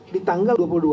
di tanggal dua puluh dua